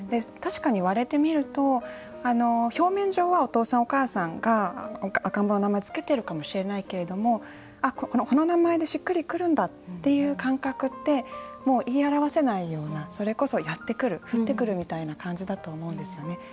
確かに言われてみると表面上はお父さんお母さんが赤ん坊の名前を付けてるかもしれないけれどもこの名前でしっくりくるんだっていう感覚ってもう言い表せないようなそれこそやってくる降ってくるみたいな感じだと思うんですよね。